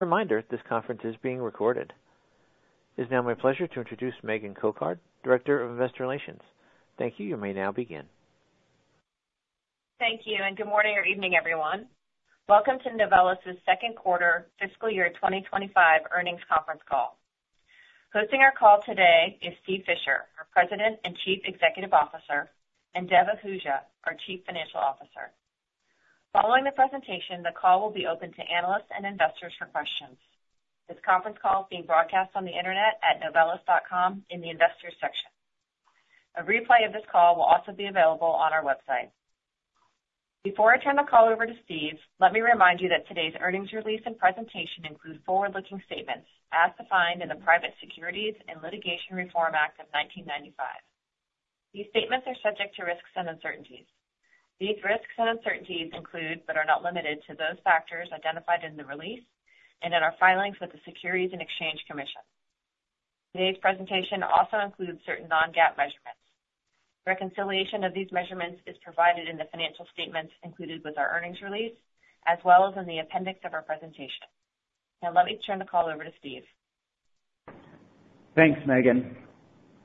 Reminder, this conference is being recorded. It is now my pleasure to introduce Megan Cochard, Director of investor relations. Thank you. You may now begin. Thank you. Good morning or evening, everyone. Welcome to Novelis's second quarter fiscal year 2025 earnings conference call. Hosting our call today is Steve Fisher, our President and Chief Executive Officer, and Dev Ahuja, our Chief Financial Officer. Following the presentation, the call will be open to analysts and investors for questions. This conference call is being broadcast on the internet at novelis.com in the Investors section. A replay of this call will also be available on our website. Before I turn the call over to Steve, let me remind you that today's earnings release and presentation include forward-looking statements as defined in the Private Securities and Litigation Reform Act of 1995. These statements are subject to risks and uncertainties. These risks and uncertainties include, but are not limited to, those factors identified in the release and in our filings with the Securities and Exchange Commission. Today's presentation also includes certain non-GAAP measurements. Reconciliation of these measurements is provided in the financial statements included with our earnings release, as well as in the appendix of our presentation. Now, let me turn the call over to Steve. Thanks, Megan.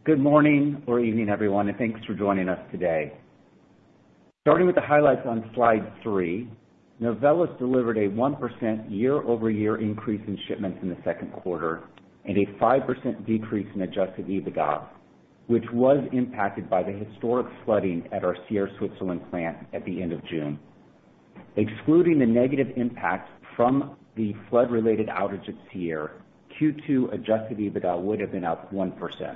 Good morning or evening, everyone, thanks for joining us today. Starting with the highlights on slide three, Novelis delivered a 1% year-over-year increase in shipments in the second quarter and a 5% decrease in Adjusted EBITDA, which was impacted by the historic flooding at our Sierre Switzerland plant at the end of June. Excluding the negative impact from the flood-related outage at Sierre, Q2 Adjusted EBITDA would have been up 1%.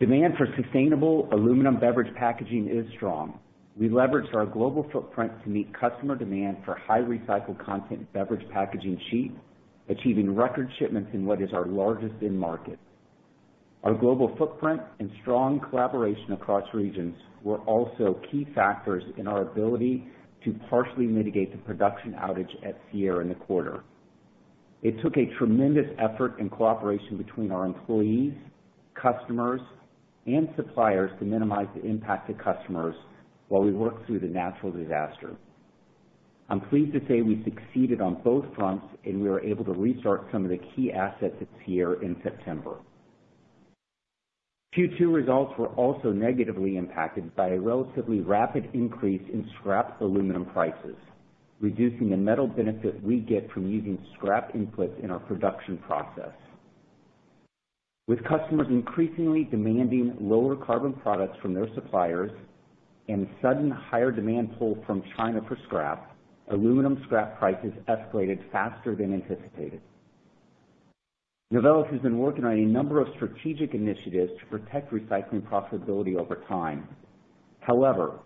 Demand for sustainable aluminum beverage packaging is strong. We leveraged our global footprint to meet customer demand for high recycled content beverage packaging sheets, achieving record shipments in what is our largest end market. Our global footprint and strong collaboration across regions were also key factors in our ability to partially mitigate the production outage at Sierre in the quarter. It took a tremendous effort and cooperation between our employees, customers, and suppliers to minimize the impact to customers while we worked through the natural disaster. I'm pleased to say we succeeded on both fronts. We were able to restart some of the key assets at Sierre in September. Q2 results were also negatively impacted by a relatively rapid increase in scrap aluminum prices, reducing the metal benefit we get from using scrap inputs in our production process. With customers increasingly demanding lower carbon products from their suppliers and sudden higher demand pull from China for scrap, aluminum scrap prices escalated faster than anticipated. Novelis has been working on a number of strategic initiatives to protect recycling profitability over time. However,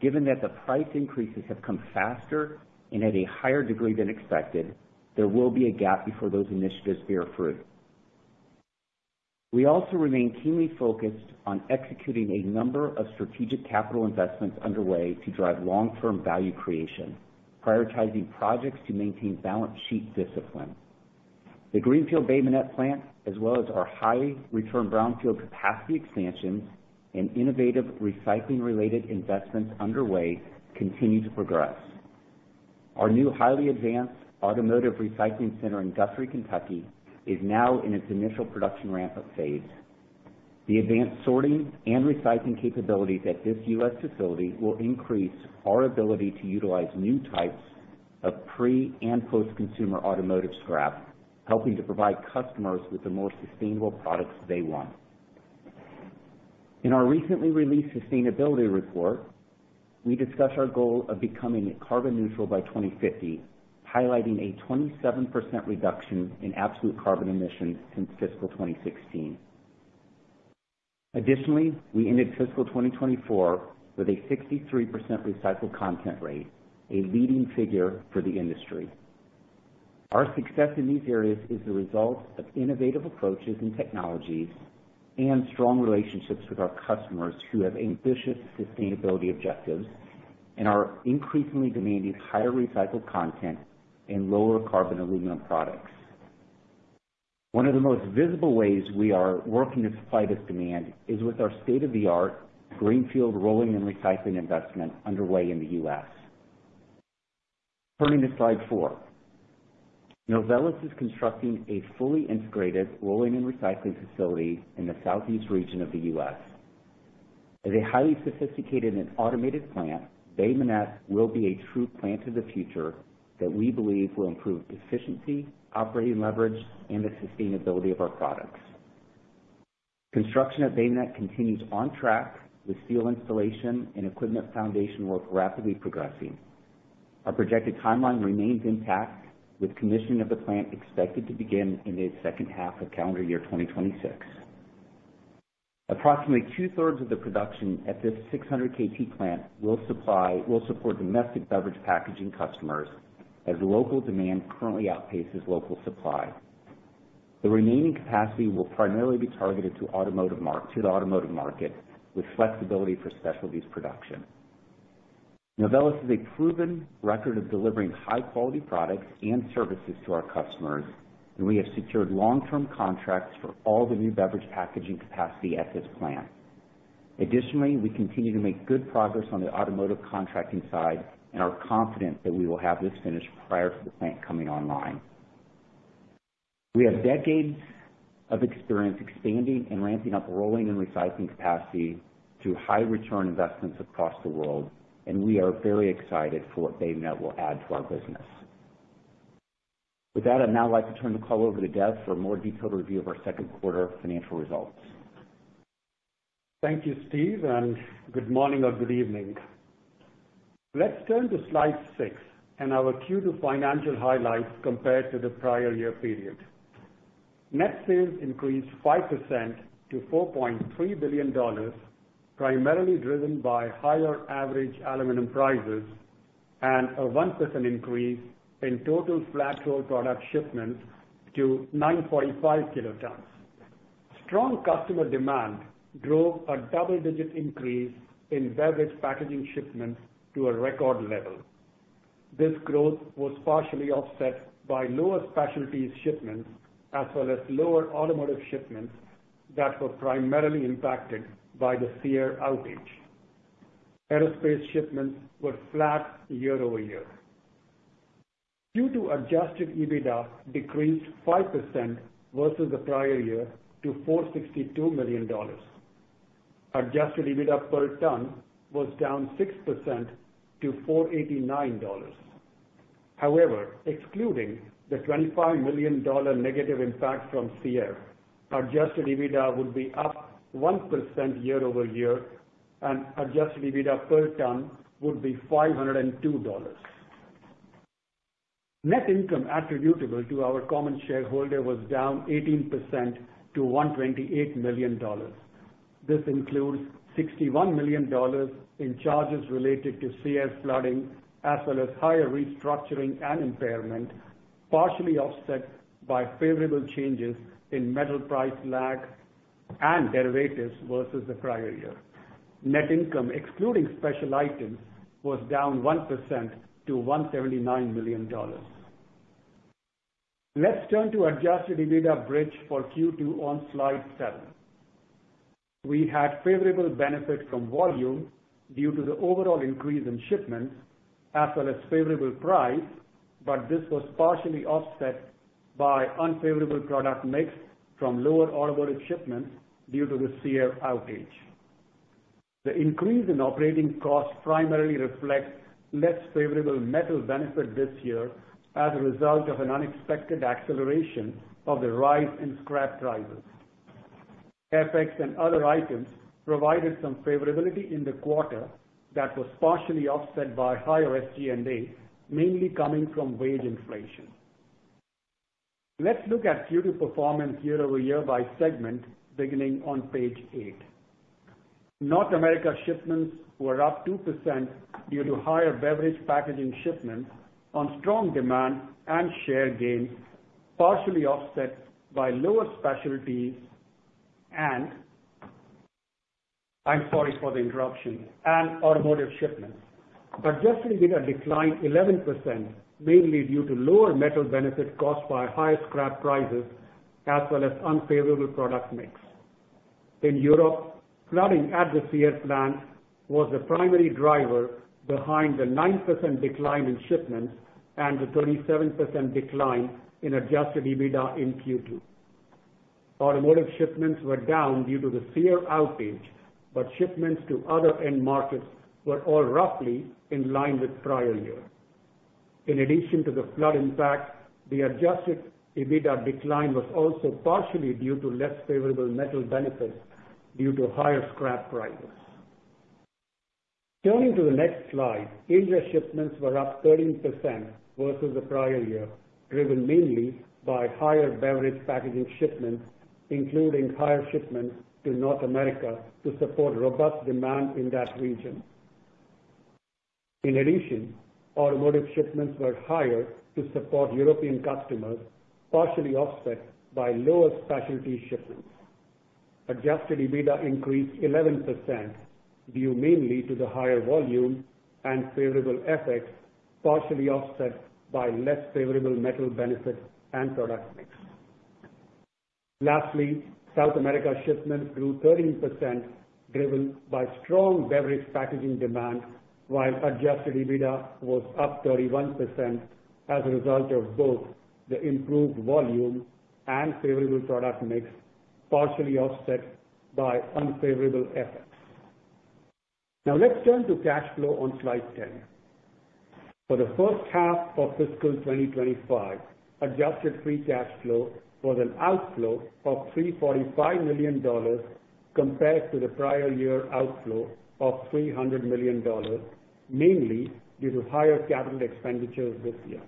given that the price increases have come faster and at a higher degree than expected, there will be a gap before those initiatives bear fruit. We also remain keenly focused on executing a number of strategic capital investments underway to drive long-term value creation, prioritizing projects to maintain balance sheet discipline. The Greenfield Bay Minette plant, as well as our highly returned brownfield capacity expansions and innovative recycling-related investments underway, continue to progress. Our new highly advanced automotive recycling center in Guthrie, Kentucky, is now in its initial production ramp-up phase. The advanced sorting and recycling capabilities at this U.S. facility will increase our ability to utilize new types of pre- and post-consumer automotive scrap, helping to provide customers with the more sustainable products they want. In our recently released sustainability report, we discuss our goal of becoming carbon neutral by 2050, highlighting a 27% reduction in absolute carbon emissions since fiscal 2016. Additionally, we ended fiscal 2024 with a 63% recycled content rate, a leading figure for the industry. Our success in these areas is the result of innovative approaches and technologies and strong relationships with our customers, who have ambitious sustainability objectives and are increasingly demanding higher recycled content and lower carbon aluminum products. One of the most visible ways we are working to supply this demand is with our state-of-the-art greenfield rolling and recycling investment underway in the U.S. Turning to slide four. Novelis is constructing a fully integrated rolling and recycling facility in the southeast region of the U.S. As a highly sophisticated and automated plant, Bay Minette will be a true plant of the future that we believe will improve efficiency, operating leverage, and the sustainability of our products. Construction at Bay Minette continues on track, with steel installation and equipment foundation work rapidly progressing. Our projected timeline remains intact, with commissioning of the plant expected to begin in the second half of calendar year 2026. Approximately 2/3 of the production at this 600 KT plant will support domestic beverage packaging customers, as local demand currently outpaces local supply. The remaining capacity will primarily be targeted to the automotive market, with flexibility for specialties production. Novelis has a proven record of delivering high-quality products and services to our customers, and we have secured long-term contracts for all the new beverage packaging capacity at this plant. Additionally, we continue to make good progress on the automotive contracting side and are confident that we will have this finished prior to the plant coming online. We have decades of experience expanding and ramping up rolling and recycling capacity through high-return investments across the world, and we are very excited for what Bay Minette will add to our business. With that, I'd now like to turn the call over to Dev for a more detailed review of our second quarter financial results. Thank you, Steve, and good morning or good evening. Let's turn to slide six and our Q2 financial highlights compared to the prior year period. Net sales increased 5% to $4.3 billion, primarily driven by higher average aluminum prices and a 1% increase in total flat roll product shipments to 945 kilotons. Strong customer demand drove a double-digit increase in beverage packaging shipments to a record level. This growth was partially offset by lower specialties shipments, as well as lower automotive shipments that were primarily impacted by the Sierre outage. Aerospace shipments were flat year-over-year. Q2 Adjusted EBITDA decreased 5% versus the prior year to $462 million. Adjusted EBITDA per ton was down 6% to $489. Excluding the $25 million negative impact from Sierre, Adjusted EBITDA would be up 1% year-over-year, and Adjusted EBITDA per ton would be $502. Net income attributable to our common shareholder was down 18% to $128 million. This includes $61 million in charges related to Sierre flooding, as well as higher restructuring and impairment, partially offset by favorable changes in metal price lag and derivatives versus the prior year. Net income, excluding special items, was down 1% to $179 million. Let's turn to Adjusted EBITDA bridge for Q2 on slide seven. We had favorable benefit from volume due to the overall increase in shipments, as well as favorable price, but this was partially offset by unfavorable product mix from lower automotive shipments due to the Sierre outage. The increase in operating costs primarily reflects less favorable metal benefit this year as a result of an unexpected acceleration of the rise in scrap prices. FX and other items provided some favorability in the quarter that was partially offset by higher SG&A, mainly coming from wage inflation. Let's look at Q2 performance year-over-year by segment, beginning on page eight. North America shipments were up 2% due to higher beverage packaging shipments on strong demand and share gains, partially offset by lower specialties and automotive shipments. Adjusted EBITDA declined 11%, mainly due to lower metal benefit caused by higher scrap prices, as well as unfavorable product mix. In Europe, flooding at the Sierre plant was the primary driver behind the 9% decline in shipments and the 27% decline in Adjusted EBITDA in Q2. Automotive shipments were down due to the Sierre outage. Shipments to other end markets were all roughly in line with prior year. In addition to the flood impact, the adjusted EBITDA decline was also partially due to less favorable metal benefits due to higher scrap prices. Turning to the next slide, India shipments were up 13% versus the prior year, driven mainly by higher beverage packaging shipments, including higher shipments to North America, to support robust demand in that region. In addition, automotive shipments were higher to support European customers, partially offset by lower specialty shipments. Adjusted EBITDA increased 11%, due mainly to the higher volume and favorable FX, partially offset by less favorable metal benefit and product mix. Lastly, South America shipments grew 13%, driven by strong beverage packaging demand, while Adjusted EBITDA was up 31% as a result of both the improved volume and favorable product mix, partially offset by unfavorable FX. Now, let's turn to cash flow on slide 10. For the first half of fiscal 2025, adjusted free cash flow was an outflow of $345 million compared to the prior year outflow of $300 million, mainly due to higher capital expenditures this year.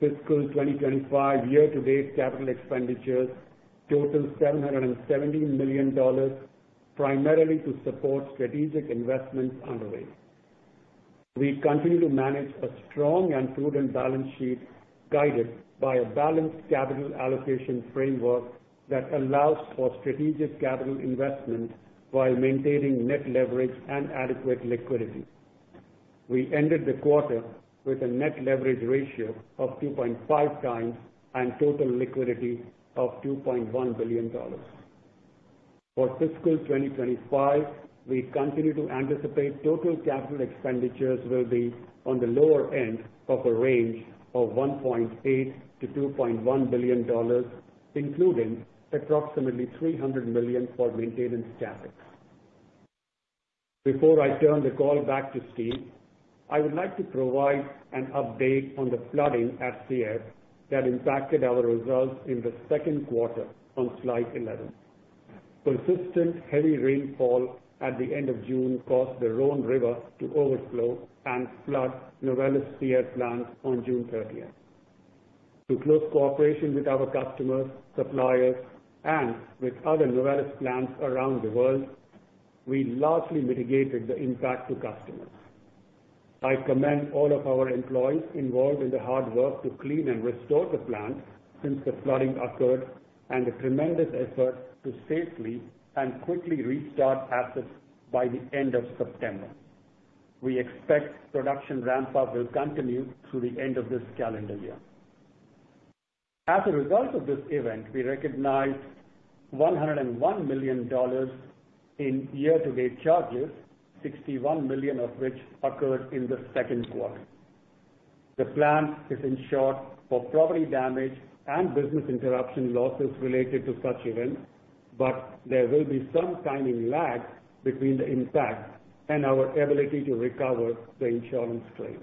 Fiscal 2025 year-to-date capital expenditures total $717 million, primarily to support strategic investments underway. We continue to manage a strong and prudent balance sheet, guided by a balanced capital allocation framework that allows for strategic capital investment while maintaining net leverage and adequate liquidity. We ended the quarter with a net leverage ratio of 2.5x, and total liquidity of $2.1 billion. For fiscal 2025, we continue to anticipate total capital expenditures will be on the lower end of a range of $1.8 billion-$2.1 billion, including approximately $300 million for maintenance CapEx. Before I turn the call back to Steve, I would like to provide an update on the flooding at Sierre that impacted our results in the second quarter on slide 11. Consistent heavy rainfall at the end of June caused the Rhone River to overflow and flood Novelis Sierre plant on June 30th. Through close cooperation with our customers, suppliers, and with other Novelis plants around the world, we largely mitigated the impact to customers. I commend all of our employees involved in the hard work to clean and restore the plant since the flooding occurred, and the tremendous effort to safely and quickly restart assets by the end of September. We expect production ramp-up will continue through the end of this calendar year. As a result of this event, we recognized $101 million in year-to-date charges, $61 million of which occurred in the second quarter. The plant is insured for property damage and business interruption losses related to such events, there will be some timing lag between the impact and our ability to recover the insurance claim.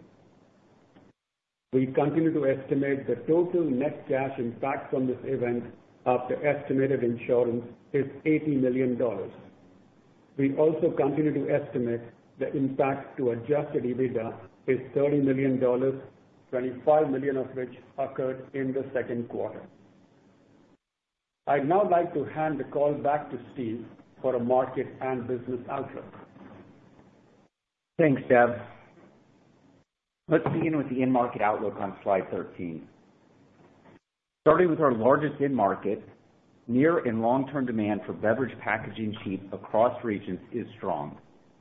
We continue to estimate the total net cash impact from this event after estimated insurance is $80 million. We also continue to estimate the impact to Adjusted EBITDA is $30 million, $25 million of which occurred in the second quarter. I'd now like to hand the call back to Steve for a market and business outlook. Thanks, Dev. Let's begin with the end market outlook on slide 13. Starting with our largest end market, near and long-term demand for beverage packaging sheet across regions is strong,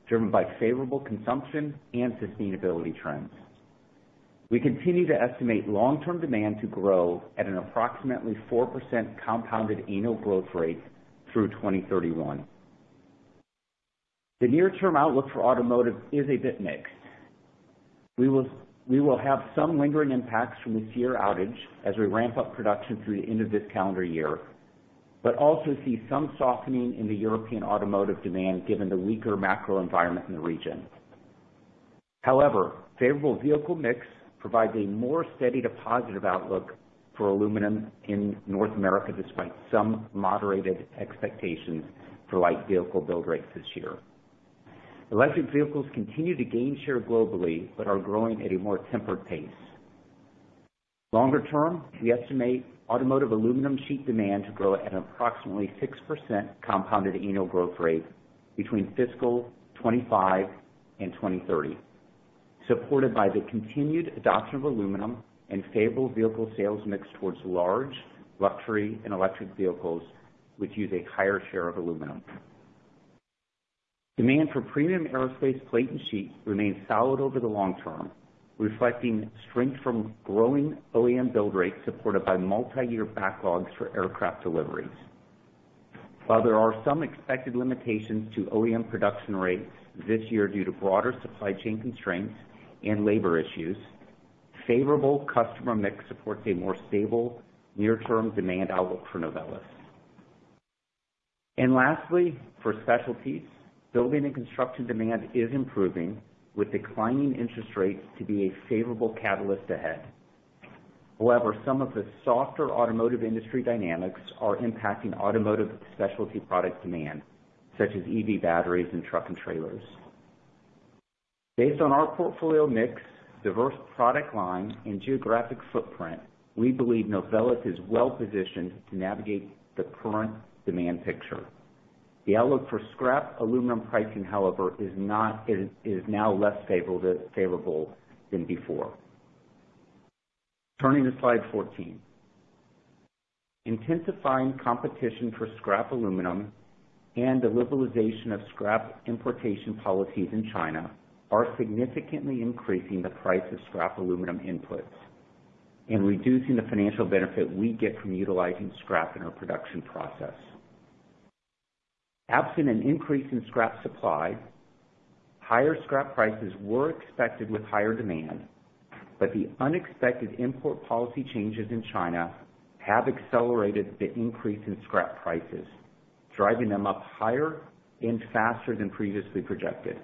driven by favorable consumption and sustainability trends. We continue to estimate long-term demand to grow at an approximately 4% compounded annual growth rate through 2031. The near-term outlook for automotive is a bit mixed. We will have some lingering impacts from the Sierre outage as we ramp up production through the end of this calendar year but also see some softening in the European automotive demand given the weaker macro environment in the region. Favorable vehicle mix provides a more steady to positive outlook for aluminum in North America, despite some moderated expectations for light vehicle build rates this year. Electric vehicles continue to gain share globally but are growing at a more tempered pace. Longer term, we estimate automotive aluminum sheet demand to grow at an approximately 6% compounded annual growth rate between fiscal 2025 and 2030, supported by the continued adoption of aluminum and favorable vehicle sales mix towards large, luxury and electric vehicles, which use a higher share of aluminum. Demand for premium aerospace plate and sheet remains solid over the long term, reflecting strength from growing OEM build rates supported by multi-year backlogs for aircraft deliveries. While there are some expected limitations to OEM production rates this year due to broader supply chain constraints and labor issues, favorable customer mix supports a more stable near-term demand outlook for Novelis. Lastly, for specialties, building and construction demand is improving, with declining interest rates to be a favorable catalyst ahead. Some of the softer automotive industry dynamics are impacting automotive specialty product demand, such as EV batteries and truck and trailers. Based on our portfolio mix, diverse product line, and geographic footprint, we believe Novelis is well positioned to navigate the current demand picture. The outlook for scrap aluminum pricing, however, is now less favorable than before. Turning to slide 14. Intensifying competition for scrap aluminum and the liberalization of scrap importation policies in China are significantly increasing the price of scrap aluminum inputs and reducing the financial benefit we get from utilizing scrap in our production process. Absent an increase in scrap supply, higher scrap prices were expected with higher demand, the unexpected import policy changes in China have accelerated the increase in scrap prices, driving them up higher and faster than previously projected.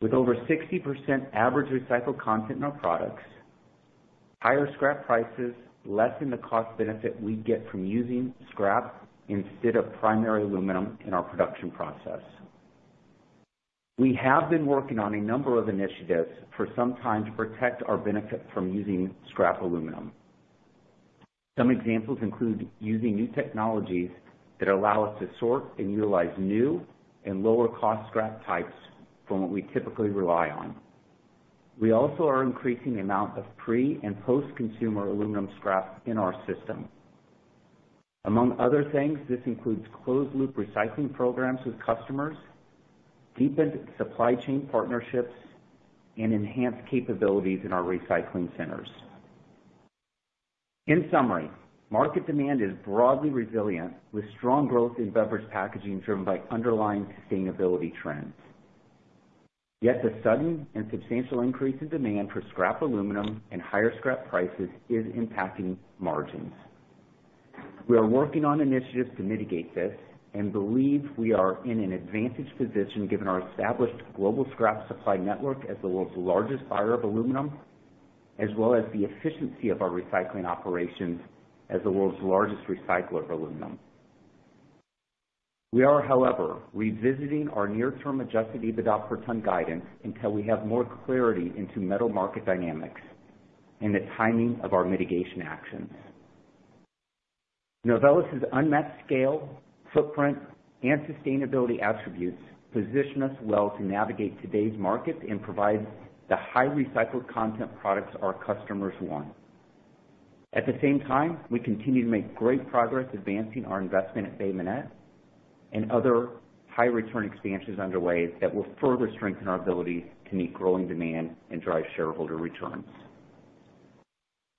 With over 60% average recycled content in our products, higher scrap prices lessen the cost benefit we get from using scrap instead of primary aluminum in our production process. We have been working on a number of initiatives for some time to protect our benefit from using scrap aluminum. Some examples include using new technologies that allow us to sort and utilize new and lower-cost scrap types from what we typically rely on. We also are increasing the amount of pre- and post-consumer aluminum scrap in our system. Among other things, this includes closed-loop recycling programs with customers, deepened supply chain partnerships, and enhanced capabilities in our recycling centers. In summary, market demand is broadly resilient, with strong growth in beverage packaging driven by underlying sustainability trends. The sudden and substantial increase in demand for scrap aluminum and higher scrap prices is impacting margins. We are working on initiatives to mitigate this and believe we are in an advantaged position, given our established global scrap supply network as the world's largest buyer of aluminum, as well as the efficiency of our recycling operations as the world's largest recycler of aluminum. We are, however, revisiting our near-term adjusted EBITDA per ton guidance until we have more clarity into metal market dynamics and the timing of our mitigation actions. Novelis' unmet scale, footprint, and sustainability attributes position us well to navigate today's market and provide the high recycled content products our customers want. At the same time, we continue to make great progress advancing our investment at Bay Minette and other high-return expansions underway that will further strengthen our ability to meet growing demand and drive shareholder returns.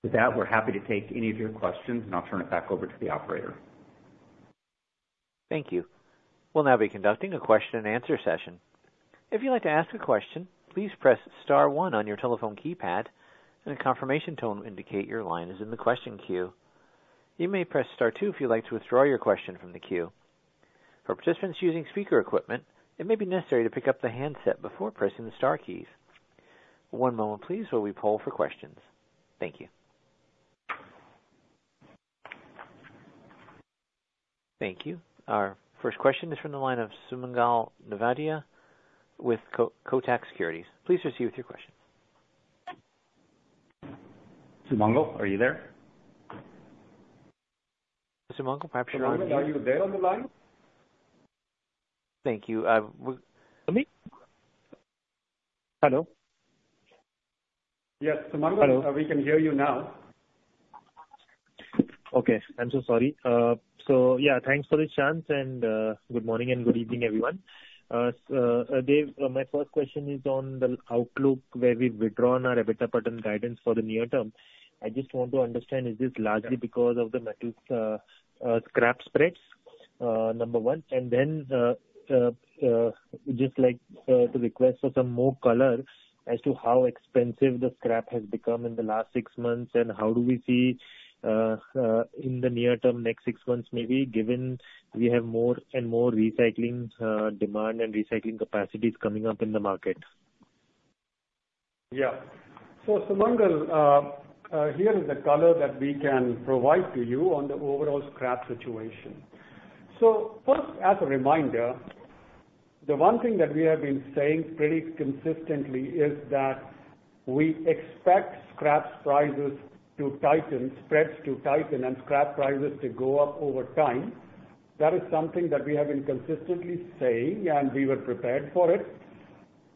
With that, we're happy to take any of your questions, and I'll turn it back over to the operator. Thank you. We'll now be conducting a question-and-answer session. If you'd like to ask a question, please press star one on your telephone keypad, and a confirmation tone will indicate your line is in the question queue. You may press star two if you'd like to withdraw your question from the queue. For participants using speaker equipment, it may be necessary to pick up the handset before pressing the star keys. One moment please, while we poll for questions. Thank you. Thank you. Our first question is from the line of Sumangal Nevatia with Kotak Securities. Please proceed with your question. Sumangal, are you there? Sumangal, perhaps you're on- Sumangal, are you there on the line? Thank you. Hello? Yes, Sumangal- Hello. We can hear you now. Okay, I'm so sorry. Yeah, thanks for the chance, and good morning and good evening, everyone. Dev, my first question is on the outlook, where we've withdrawn our EBITDA per ton guidance for the near term. I just want to understand, is this largely because of the metals, scrap spreads, number one? Just like, to request for some more color as to how expensive the scrap has become in the last six months, and how do we see in the near term, next six months maybe, given we have more and more recycling demand and recycling capacities coming up in the market? Yeah. Sumangal, here is the color that we can provide to you on the overall scrap situation. First, as a reminder, the one thing that we have been saying pretty consistently is that we expect scrap prices to tighten, spreads to tighten and scrap prices to go up over time. That is something that we have been consistently saying, and we were prepared for it.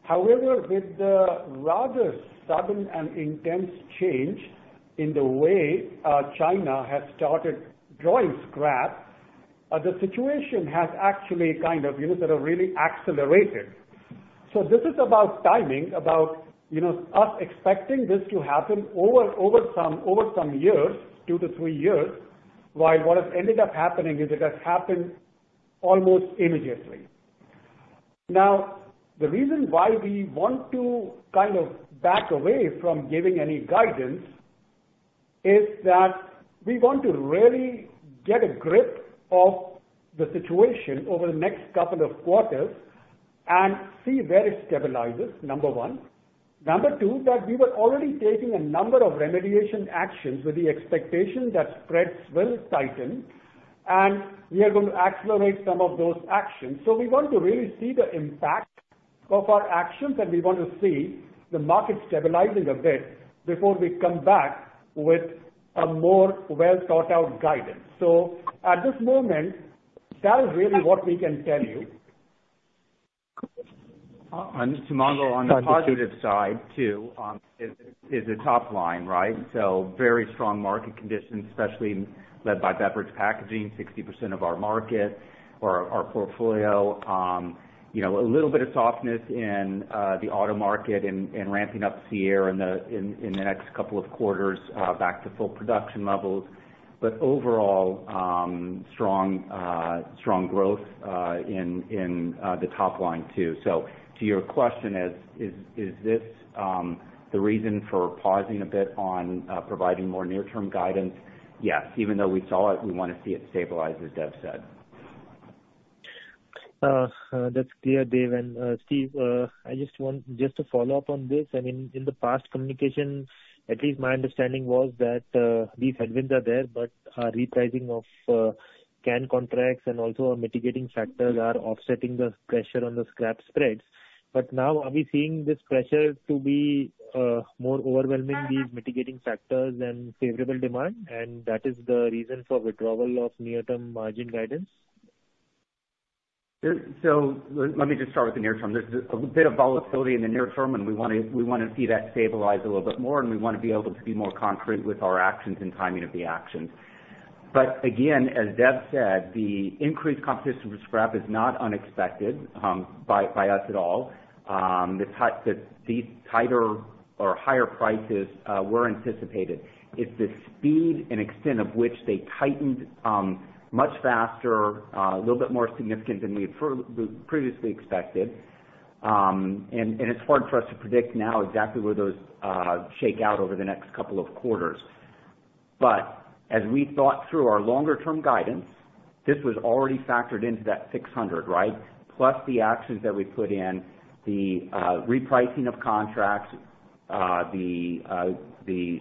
However, with the rather sudden and intense change in the way China has started drawing scrap, the situation has actually kind of, you know, sort of really accelerated. This is about timing, about, you know, us expecting this to happen over some years, two-three years, while what has ended up happening is it has happened almost immediately. The reason why we want to kind of back away from giving any guidance is that we want to really get a grip of the situation over the next couple of quarters and see where it stabilizes, number one. Number two, that we were already taking a number of remediation actions with the expectation that spreads will tighten, and we are going to accelerate some of those actions. We want to really see the impact of our actions, and we want to see the market stabilizing a bit before we come back with a more well-thought-out guidance. At this moment, that is really what we can tell you. Sumangal, on the positive side, too, is the top line, right? Very strong market conditions, especially led by beverage packaging, 60% of our market or our portfolio. You know, a little bit of softness in the auto market and ramping up Sierre in the next couple of quarters back to full production levels. Overall, strong growth in the top line, too. To your question, as is this the reason for pausing a bit on providing more near-term guidance? Yes, even though we saw it, we want to see it stabilize, as Dev said. That's clear, Dev Ahuja. Steve Fisher, I just want to follow up on this. I mean, in the past communication, at least my understanding was that these headwinds are there, repricing of can contracts and also our mitigating factors are offsetting the pressure on the scrap spreads. Now, are we seeing this pressure to be more overwhelming, these mitigating factors than favorable demand, and that is the reason for withdrawal of near-term margin guidance? Let me just start with the near term. There's a bit of volatility in the near term, and we wanna see that stabilize a little bit more, and we wanna be able to be more concrete with our actions and timing of the actions. Again, as Dev said, the increased competition for scrap is not unexpected, by us at all. These tighter or higher prices were anticipated. It's the speed and extent of which they tightened, much faster, a little bit more significant than we had previously expected. It's hard for us to predict now exactly where those shake out over the next couple of quarters. As we thought through our longer term guidance, this was already factored into that 600, right? The actions that we put in, the repricing of contracts, the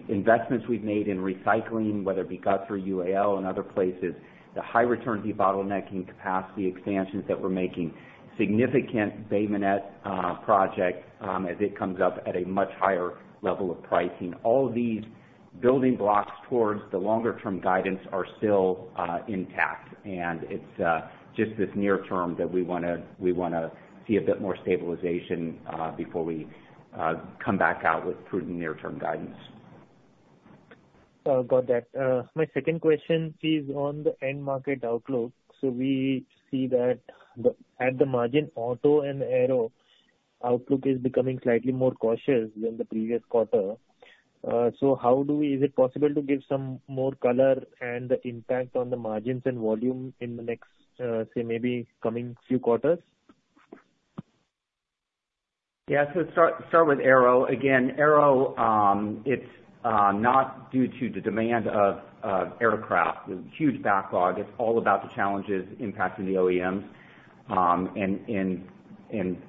investments we've made in recycling, whether it be Guthrie or UAL and other places, the high return debottlenecking capacity expansions that we're making, significant Bay Minette project, as it comes up at a much higher level of pricing. All of these building blocks towards the longer term guidance are still intact. It's just this near term that we wanna see a bit more stabilization before we come back out with prudent near-term guidance. Got that. My second question is on the end market outlook. We see that the, at the margin, auto and aero outlook is becoming slightly more cautious than the previous quarter. Is it possible to give some more color and the impact on the margins and volume in the next, say, maybe coming few quarters? Start with aero. Aero, it's not due to the demand of aircraft. There's huge backlog. It's all about the challenges impacting the OEMs,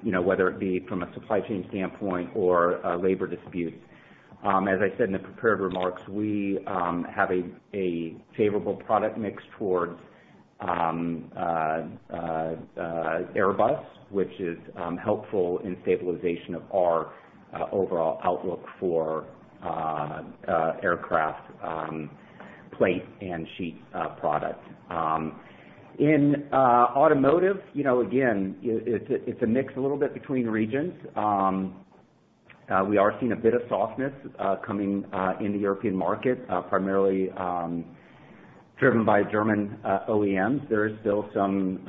you know, whether it be from a supply chain standpoint or a labor dispute. As I said in the prepared remarks, we have a favorable product mix towards Airbus, which is helpful in stabilization of our overall outlook for aircraft plate and sheet product. In automotive, you know, again, it's a mix a little bit between regions. We are seeing a bit of softness coming in the European market, primarily driven by German OEMs. There is still some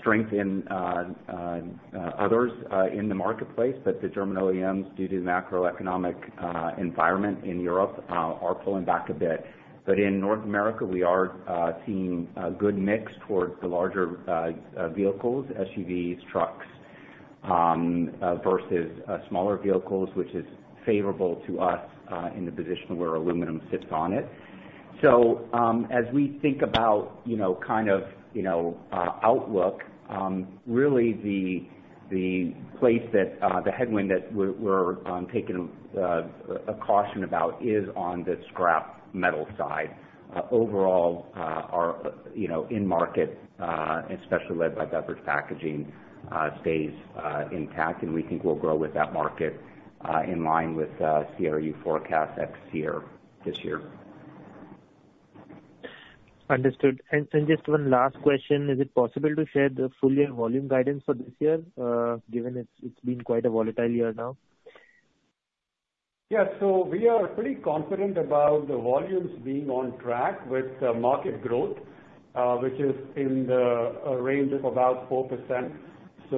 strength in others in the marketplace. The German OEMs, due to the macroeconomic environment in Europe, are pulling back a bit. In North America, we are seeing a good mix towards the larger vehicles, SUVs, trucks, versus smaller vehicles, which is favorable to us in the position where aluminum sits on it. As we think about, you know, kind of, you know, outlook, really the place that the headwind that we're taking a caution about is on the scrap metal side. Overall, our, you know, end market, especially led by beverage packaging, stays intact, and we think we'll grow with that market in line with CRU forecast next year, this year. Understood. Just one last question. Is it possible to share the full year volume guidance for this year, given it's been quite a volatile year now? Yeah. We are pretty confident about the volumes being on track with the market growth, which is in the range of about 4%. As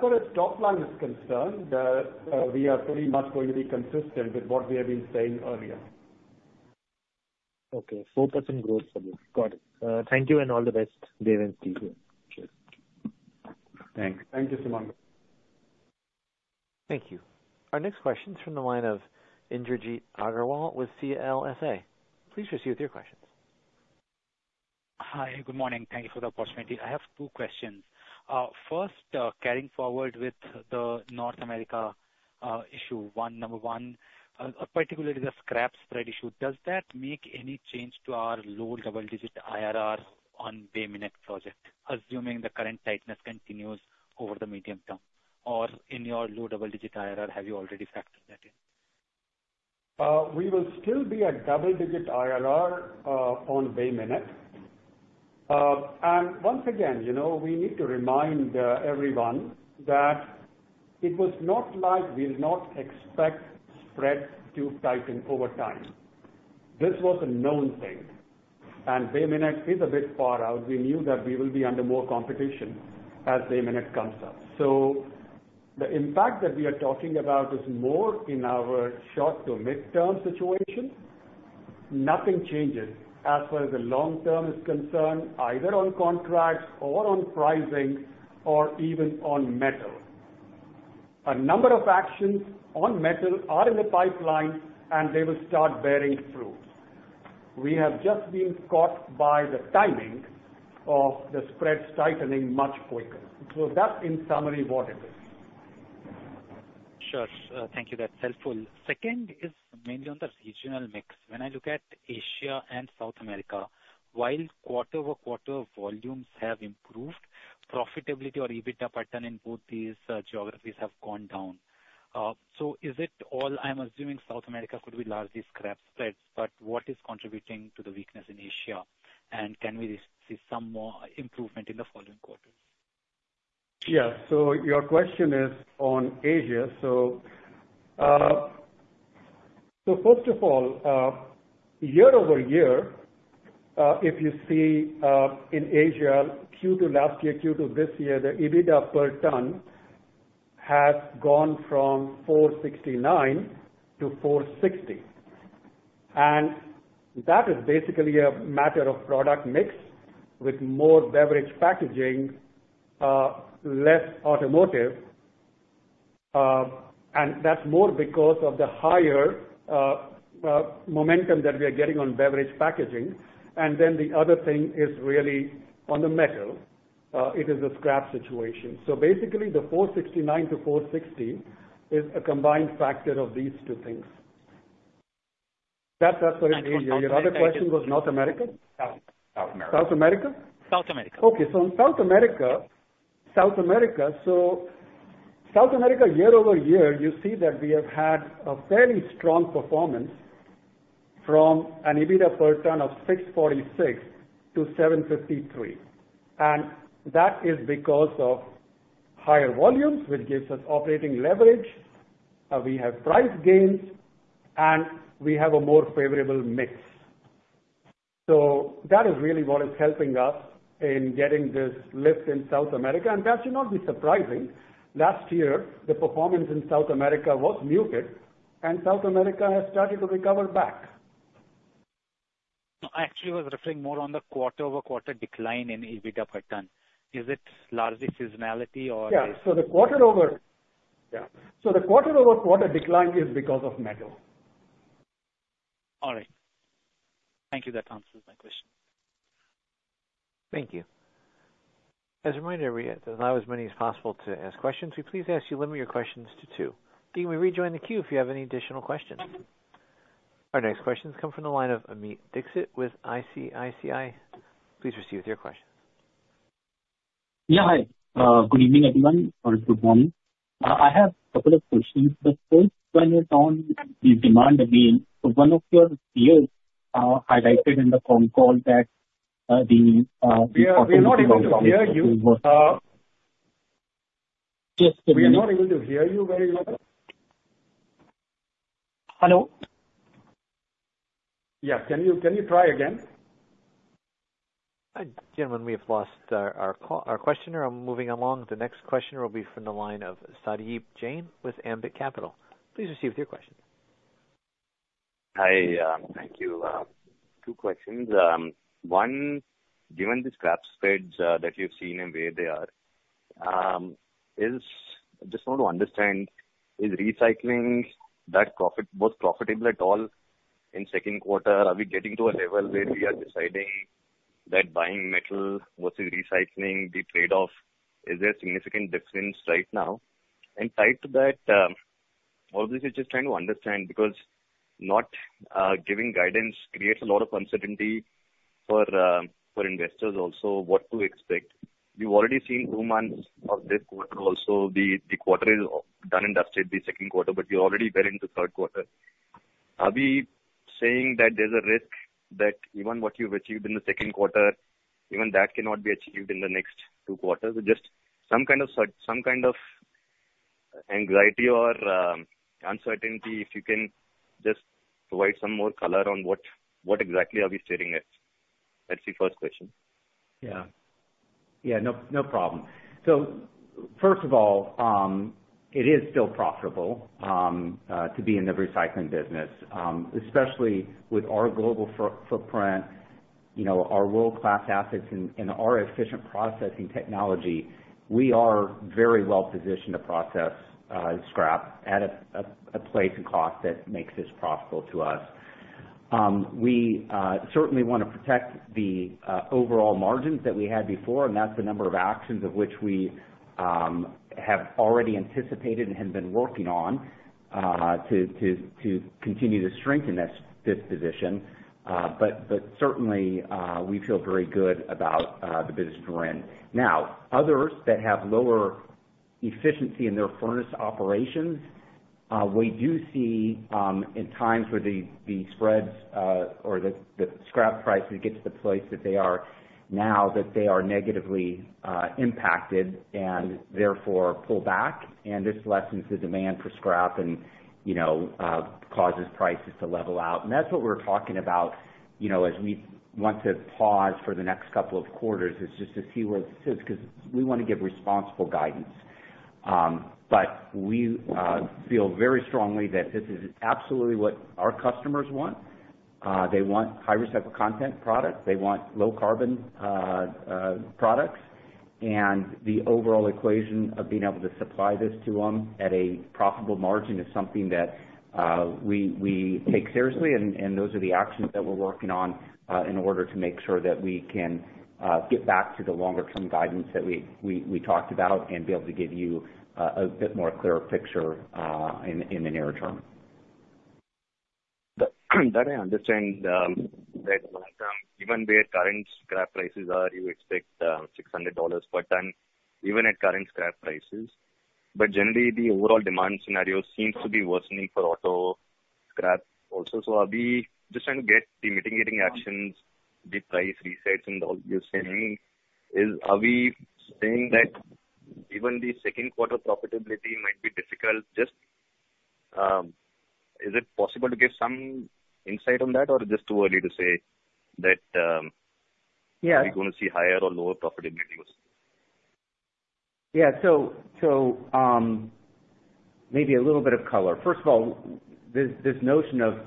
far as top line is concerned, we are pretty much going to be consistent with what we have been saying earlier. Okay. 4% growth for you. Got it. Thank you, and all the best, Dev and team. Thanks. Thank you, Sumangal. Thank you. Our next question is from the line of Indrajit Agarwal with CLSA. Please proceed with your questions. Hi, good morning. Thank Thank you for the opportunity. First, carrying forward with the North America issue, one, number one, particularly the scrap spread issue, does that make any change to our low double-digit IRR on Bay Minette project, assuming the current tightness continues over the medium term? In your low double-digit IRR, have you already factored that in? We will still be at double-digit IRR on Bay Minette. Once again, you know, we need to remind everyone that it was not like we did not expect spreads to tighten over time. This was a known thing, and Bay Minette is a bit far out. We knew that we will be under more competition as Bay Minette comes up. The impact that we are talking about is more in our short to mid-term situation. Nothing changes as far as the long term is concerned, either on contracts or on pricing, or even on metal. A number of actions on metal are in the pipeline, and they will start bearing fruit. We have just been caught by the timing of the spreads tightening much quicker. That's in summary, what it is. Sure. Thank you. That's helpful. Second is mainly on the regional mix. When I look at Asia and South America, while quarter-over-quarter volumes have improved, profitability or EBITDA pattern in both these geographies have gone down. Is it all, I'm assuming South America could be largely scrap spreads, but what is contributing to the weakness in Asia, and can we see some more improvement in the following quarters? Your question is on Asia. First of all, year-over-year, if you see in Asia, Q2 last year, Q2 this year, the EBITDA per ton has gone from $469-$460, that is basically a matter of product mix with more beverage packaging, less automotive, and that's more because of the higher momentum that we are getting on beverage packaging. Then the other thing is really on the metal. It is a scrap situation. Basically, the $469-$460 is a combined factor of these two things. That's what in Asia. Your other question was North America? South America. South America? South America. In South America, so South America, year-over-year, you see that we have had a fairly strong performance from an EBITDA per ton of $646-$753, that is because of higher volumes, which gives us operating leverage, we have price gains, and we have a more favorable mix. That is really what is helping us in getting this lift in South America, that should not be surprising. Last year, the performance in South America was muted, South America has started to recover back. No, I actually was referring more on the quarter-over-quarter decline in EBITDA per ton. Is it largely seasonality? Yeah. The quarter-over-quarter decline is because of metal. All right. Thank you. That answers my question. Thank you. As a reminder, we allow as many as possible to ask questions. We please ask you to limit your questions to two. You may rejoin the queue if you have any additional questions. Our next question comes from the line of Amit Dixit with ICICI. Please proceed with your question. Yeah, hi. Good evening, everyone, or good morning. I have a couple of questions. The first one is on the demand again. One of your peers highlighted in the phone call that the. We are not able to hear you. Yes. We are not able to hear you very well. Hello? Yeah, can you try again? Gentlemen, we have lost our call, our questioner. I'm moving along. The next question will be from the line of Satyadeep Jain with Ambit Capital. Please proceed with your question. Hi, thank you. Two questions. One, given the scrap spreads that you've seen and where they are, I just want to understand, is recycling that profit, both profitable at all in second quarter? Are we getting to a level where we are deciding that buying metal versus recycling, the trade-off, is there a significant difference right now? Tied to that, obviously, just trying to understand, because not giving guidance creates a lot of uncertainty for investors also, what to expect. We've already seen two months of this quarter. The quarter is done and dusted, the second quarter, but we already were into third quarter. Are we saying that there's a risk that even what you've achieved in the second quarter, even that cannot be achieved in the next two quarters? Just some kind of anxiety or uncertainty, if you can just provide some more color on what exactly are we stating it? That's the first question. Yeah. Yeah, no problem. First of all, it is still profitable to be in the recycling business, especially with our global footprint, you know, our world-class assets and our efficient processing technology, we are very well positioned to process scrap at a place and cost that makes this profitable to us. We certainly want to protect the overall margins that we had before. That's the number of actions of which we have already anticipated and have been working on to continue to strengthen this position. Certainly, we feel very good about the business we're in. Others that have lower efficiency in their furnace operations, we do see, in times where the spreads, or the scrap prices get to the place that they are now, that they are negatively impacted and therefore pull back, and this lessens the demand for scrap and, you know, causes prices to level out. That's what we're talking about, you know, as we want to pause for the next couple of quarters, is just to see where this is, because we want to give responsible guidance. We feel very strongly that this is absolutely what our customers want. They want high-recycle content products, they want low-carbon products, and the overall equation of being able to supply this to them at a profitable margin is something that we take seriously, and those are the actions that we're working on in order to make sure that we can get back to the longer-term guidance that we talked about and be able to give you a bit more clearer picture, in the nearer term. That I understand, that long term, given where current scrap prices are, you expect, $600 per ton, even at current scrap prices. Generally, the overall demand scenario seems to be worsening for auto scrap also. Are we just trying to get the mitigating actions, the price resets, and all you're saying is, are we saying that even the second quarter profitability might be difficult? Just, is it possible to give some insight on that, or just too early to say that? Yeah. We're going to see higher or lower profitability? Yeah. Maybe a little bit of color. First of all, this notion of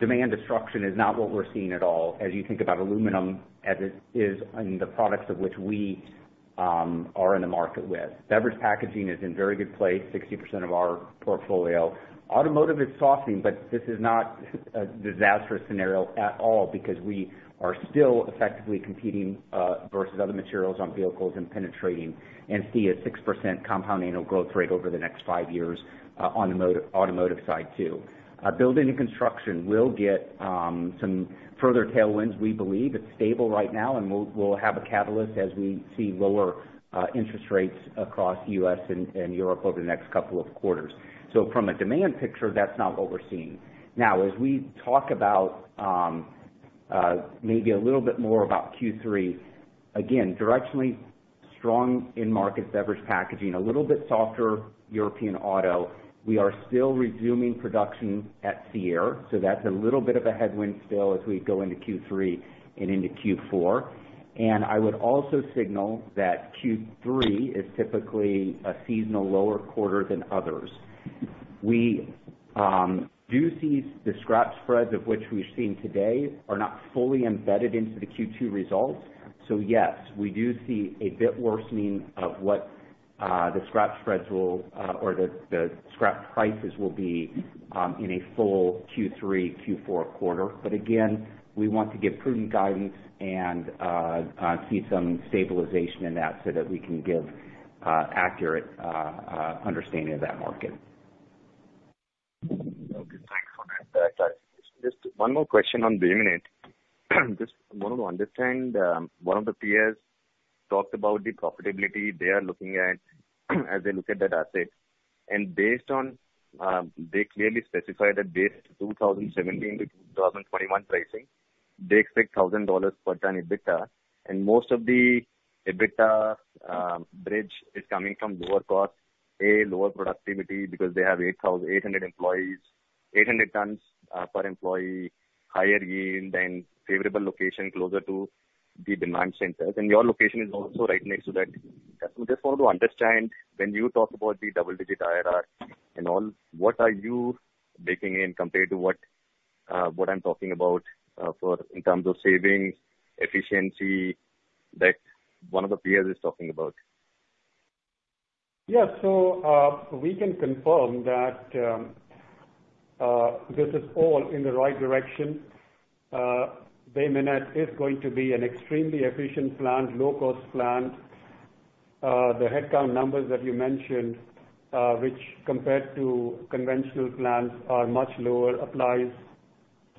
demand destruction is not what we're seeing at all, as you think about aluminum, as it is in the products of which we are in the market with. Beverage packaging is in very good place, 60% of our portfolio. Automotive is softening, but this is not a disastrous scenario at all, because we are still effectively competing versus other materials on vehicles and penetrating, and see a 6% compound annual growth rate over the next 5 years on the automotive side, too. Building and construction will get some further tailwinds, we believe. It's stable right now, we'll have a catalyst as we see lower interest rates across US and Europe over the next couple of quarters. From a demand picture, that's not what we're seeing. As we talk about maybe a little bit more about Q3, again, directionally strong in market beverage packaging, a little bit softer European auto. We are still resuming production at Sierre, so that's a little bit of a headwind still as we go into Q3 and into Q4. I would also signal that Q3 is typically a seasonal lower quarter than others. We do see the scrap spreads of which we've seen today are not fully embedded into the Q2 results. Yes, we do see a bit worsening of what the scrap spreads will or the scrap prices will be in a full Q3-Q4 quarter. Again, we want to give prudent guidance and see some stabilization in that, so that we can give accurate understanding of that market. Okay, thanks for that. Just one more question on Bay Minette. Just want to understand, one of the peers talked about the profitability they are looking at as they look at that asset. Based on, they clearly specified that based 2017-2021 pricing, they expect $1,000 per ton EBITDA. Most of the EBITDA bridge is coming from lower cost, lower productivity because they have 800 employees, 800 tons per employee, higher yield and favorable location closer to the demand centers. Your location is also right next to that. Just want to understand, when you talk about the double-digit IRR and all, what are you baking in compared to what I'm talking about for in terms of savings, efficiency, that one of the peers is talking about? Yeah. We can confirm that this is all in the right direction. Bay Minette is going to be an extremely efficient plant, low-cost plant. The headcount numbers that you mentioned, which compared to conventional plants, are much lower, applies.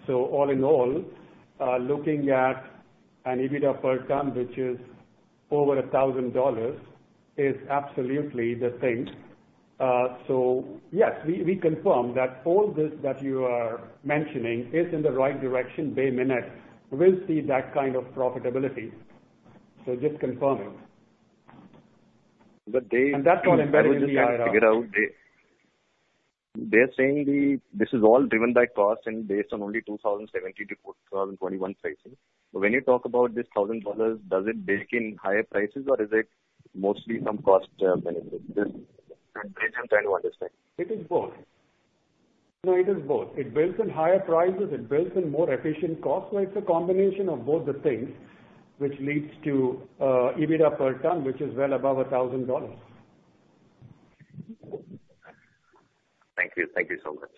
All in all, looking at an EBITDA per ton, which is over $1,000, is absolutely the thing. Yes, we confirm that all this that you are mentioning is in the right direction. Bay Minette will see that kind of profitability. Just confirming. But they- That's all embedded in the IRR. I was just trying to figure out, they're saying this is all driven by cost and based on only 2017-2021 pricing. When you talk about this $1,000, does it bake in higher prices, or is it mostly some cost benefit? Just I'm trying to understand. It is both. No, it is both. It bakes in higher prices, it bakes in more efficient cost. It's a combination of both the things which leads to EBITDA per ton, which is well above $1,000. Thank you. Thank you so much.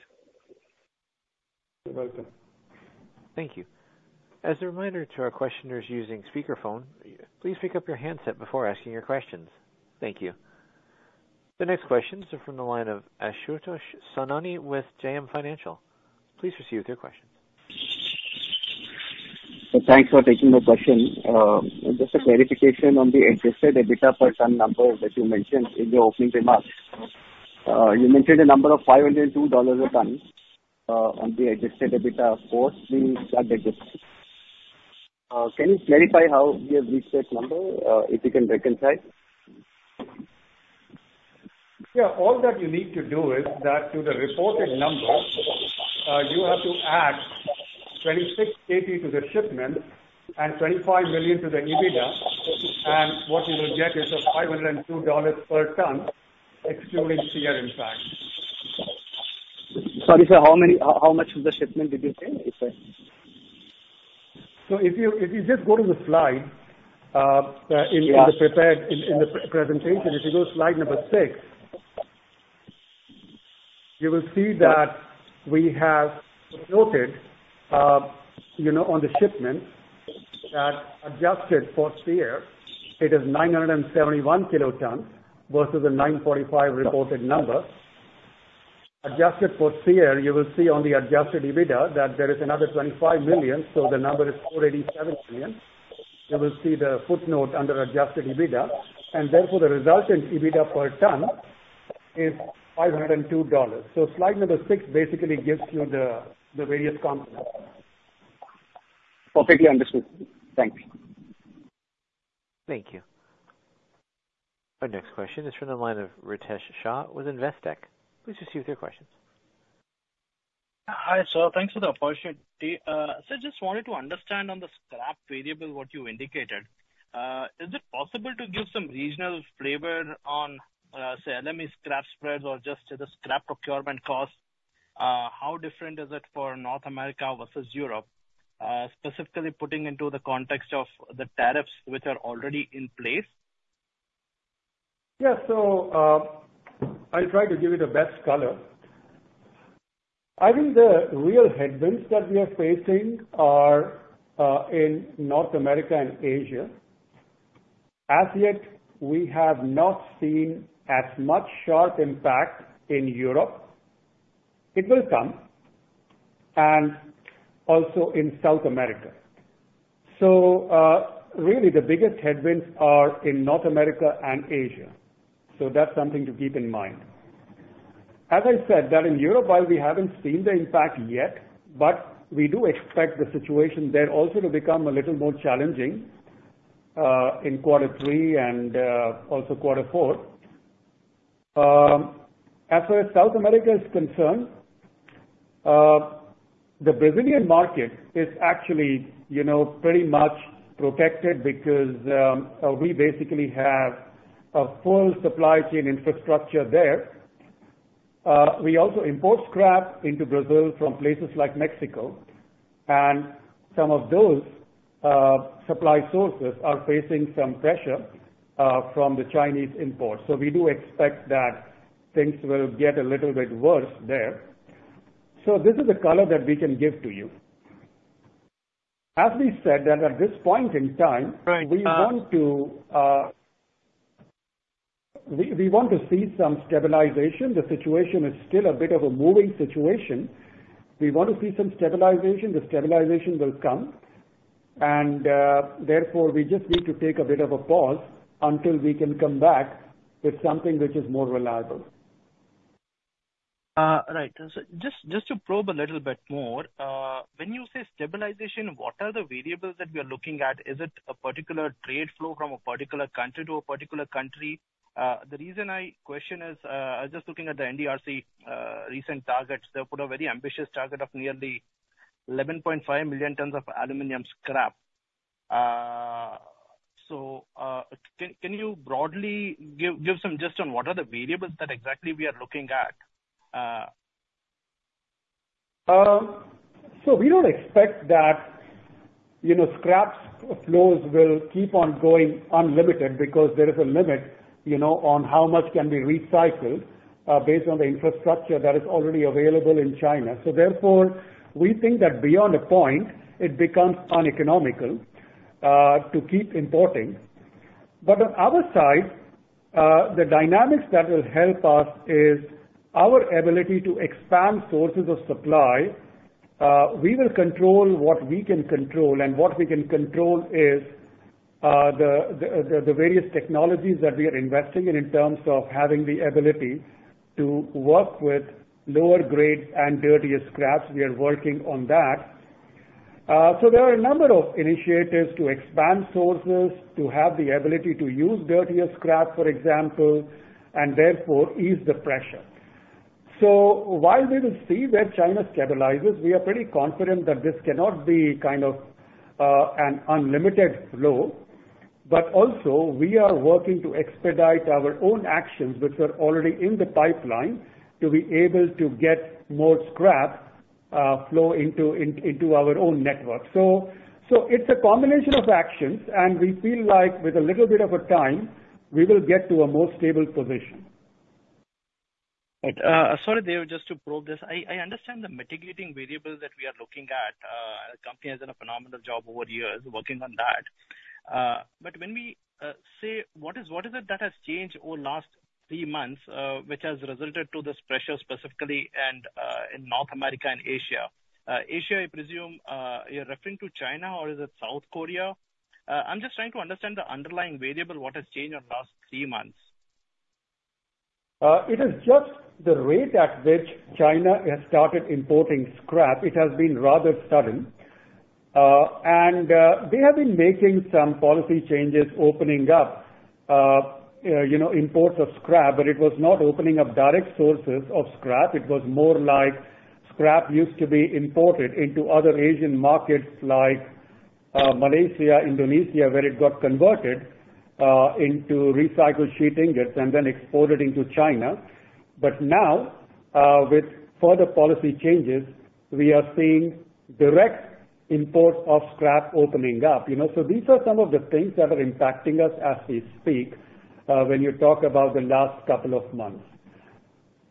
You're welcome. Thank you. As a reminder to our questioners using speaker phone, please pick up your handset before asking your questions. Thank you. The next question is from the line of Ashutosh Sonani with JM Financial. Please proceed with your question. Thanks for taking the question. Just a clarification on the adjusted EBITDA per ton number that you mentioned in your opening remarks. You mentioned a number of $502 a ton, on the adjusted EBITDA, of course, being that adjusted. Can you clarify how you have reached that number, if you can reconcile? Yeah. All that you need to do is, that to the reported number, you have to add 26 KT to the shipment and $25 million to the EBITDA, and what you will get is a $502 per ton, excluding Sierre impact. Sorry, sir, how much of the shipment did you say? If you just go to the slide in the presentation, if you go to slide 6, you will see that we have noted, you know, adjusted for Sierre, it is 971 kilotons versus the 945 reported number. Adjusted for Sierre, you will see on the Adjusted EBITDA that there is another $25 million, the number is $487 million. You will see the footnote under Adjusted EBITDA, therefore the resultant adjusted EBITDA per ton is $502. Slide six basically gives you the various components. Perfectly understood. Thanks. Thank you. Our next question is from the line of Ritesh Shah with Investec. Please proceed with your questions. Hi, sir. Thanks for the opportunity. Just wanted to understand on the scrap variable, what you indicated, is it possible to give some regional flavor on, say, LME scrap spreads or just the scrap procurement costs? How different is it for North America versus Europe, specifically putting into the context of the tariffs which are already in place? Yeah. I'll try to give you the best color. I think the real headwinds that we are facing are in North America and Asia. As yet, we have not seen as much sharp impact in Europe. It will come, and also in South America. Really, the biggest headwinds are in North America and Asia, so that's something to keep in mind. As I said, that in Europe, while we haven't seen the impact yet, but we do expect the situation there also to become a little more challenging in quarter three and also quarter four. As far as South America is concerned, the Brazilian market is actually, you know, pretty much protected because we basically have a full supply chain infrastructure there. We also import scrap into Brazil from places like Mexico, and some of those supply sources are facing some pressure from the Chinese imports. We do expect that things will get a little bit worse there. This is the color that we can give to you. As we said, that at this point in time- Right. we want to see some stabilization. The situation is still a bit of a moving situation. We want to see some stabilization. The stabilization will come, and, therefore, we just need to take a bit of a pause until we can come back with something which is more reliable. Right. Just to probe a little bit more, when you say stabilization, what are the variables that we are looking at? Is it a particular trade flow from a particular country to a particular country? The reason I question is, I was just looking at the NDRC recent targets. They've put a very ambitious target of nearly 11.5 million tons of aluminum scrap. Can you broadly give some gist on what are the variables that exactly we are looking at? We don't expect that, you know, scrap flows will keep on going unlimited because there is a limit, you know, on how much can be recycled based on the infrastructure that is already available in China. We think that beyond a point, it becomes uneconomical to keep importing. On our side, the dynamics that will help us is our ability to expand sources of supply. We will control what we can control, and what we can control is the various technologies that we are investing in terms of having the ability to work with lower grade and dirtier scraps. We are working on that. There are a number of initiatives to expand sources, to have the ability to use dirtier scrap, for example, and therefore ease the pressure. While we will see that China stabilizes, we are pretty confident that this cannot be kind of an unlimited flow. Also we are working to expedite our own actions, which are already in the pipeline, to be able to get more scrap flow into our own network. It's a combination of actions, and we feel like with a little bit of a time, we will get to a more stable position. Right. sorry, Dev, just to probe this. I understand the mitigating variables that we are looking at. The company has done a phenomenal job over the years working on that. When we say, what is it that has changed over last three months, which has resulted to this pressure specifically and, in North America and Asia? Asia, I presume, you're referring to China or is it South Korea? I'm just trying to understand the underlying variable, what has changed over the last three months. It is just the rate at which China has started importing scrap. It has been rather sudden. They have been making some policy changes, opening up, you know, imports of scrap, but it was not opening up direct sources of scrap. It was more like scrap used to be imported into other Asian markets like Malaysia, Indonesia, where it got converted into recycled sheet ingots and then exported into China. Now, with further policy changes, we are seeing direct imports of scrap opening up, you know. These are some of the things that are impacting us as we speak, when you talk about the last couple of months....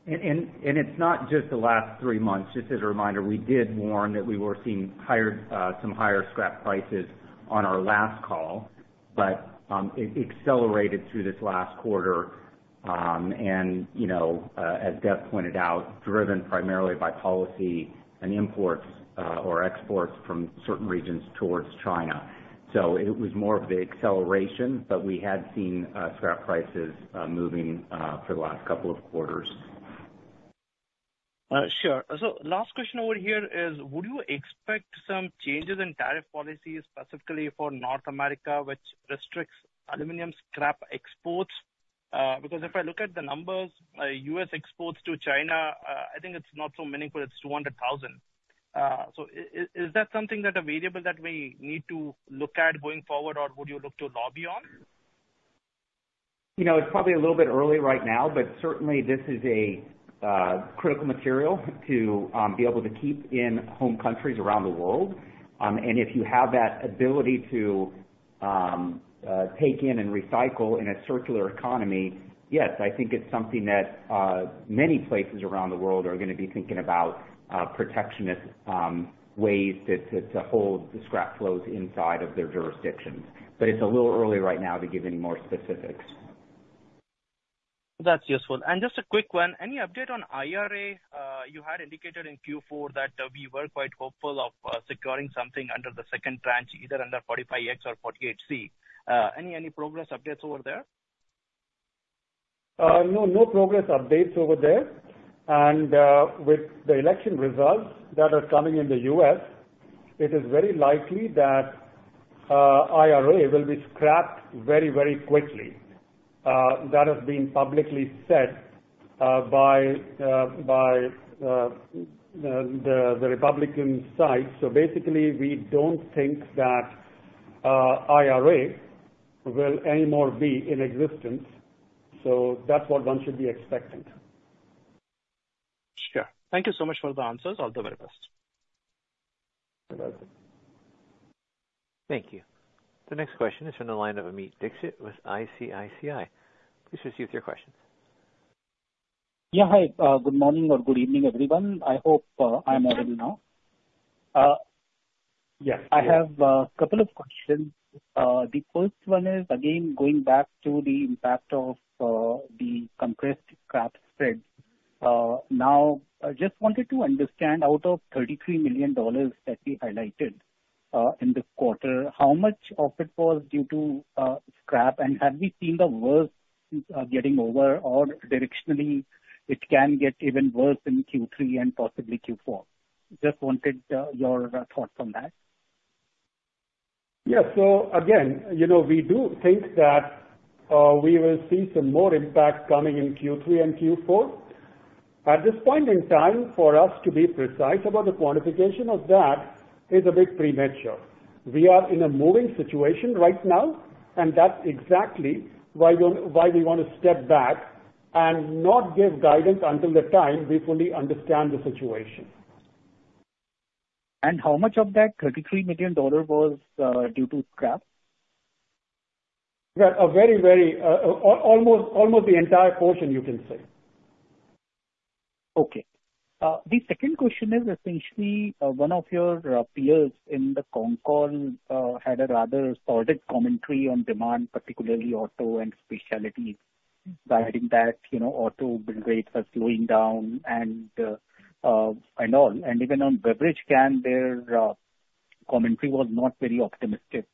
It's not just the last three months. Just as a reminder, we did warn that we were seeing higher, some higher scrap prices on our last call, but it accelerated through this last quarter. You know, as Dev pointed out, driven primarily by policy and imports, or exports from certain regions towards China. It was more of the acceleration, but we had seen scrap prices moving for the last couple of quarters. Sure. Last question over here is: Would you expect some changes in tariff policies, specifically for North America, which restricts aluminum scrap exports? Because if I look at the numbers, U.S. exports to China, I think it's not so meaningful, it's 200,000. Is that something that a variable that we need to look at going forward, or would you look to lobby on? You know, it's probably a little bit early right now, but certainly this is a critical material to be able to keep in home countries around the world. If you have that ability to take in and recycle in a closed-loop recycling, yes, I think it's something that many places around the world are gonna be thinking about protectionist ways to hold the scrap flows inside of their jurisdictions. It's a little early right now to give any more specifics. That's useful. just a quick one: Any update on IRA? You had indicated in Q4 that we were quite hopeful of securing something under the second tranche, either under 45X or 48C. Any progress updates over there? No, no progress updates over there. With the election results that are coming in the U.S., it is very likely that IRA will be scrapped very, very quickly. That has been publicly said by the Republican side. Basically, we don't think that IRA will anymore be in existence, so that's what one should be expecting. Sure. Thank you so much for the answers. All the very best. You're welcome. Thank you. The next question is from the line of Amit Dixit with ICICI. Please proceed with your questions. Yeah, hi. Good morning or good evening, everyone. I hope, I'm audible now. Yeah. I have a couple of questions. The first one is, again, going back to the impact of the compressed scrap spread. Now, I just wanted to understand, out of $33 million that we highlighted in this quarter, how much of it was due to scrap? Have we seen the worst getting over, or directionally, it can get even worse in Q3 and possibly Q4? Just wanted your thoughts on that. Yeah. Again, you know, we do think that, we will see some more impact coming in Q3 and Q4. At this point in time, for us to be precise about the quantification of that is a bit premature. We are in a moving situation right now, and that's exactly why we want to step back and not give guidance until the time we fully understand the situation. How much of that $33 million was due to scrap? Well, a very, almost the entire portion, you can say. Okay. The second question is essentially, one of your peers in the Concall, had a rather solid commentary on demand, particularly auto and specialty, guiding that, you know, auto build rates are slowing down and all. Even on beverage can, their commentary was not very optimistic,